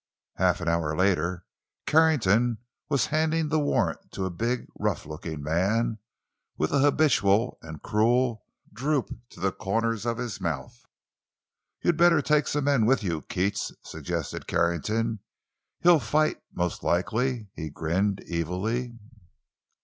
Half an hour later, Carrington was handing the warrant to a big, rough looking man with an habitual and cruel droop to the corners of his mouth. "You'd better take some men with you, Keats," suggested Carrington. "He'll fight, most likely," he grinned, evilly.